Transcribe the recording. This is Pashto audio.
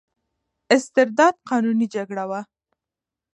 استرداد قانوني جګړه وه.